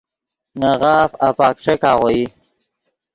نے غاف اپک ݯیک آغوئی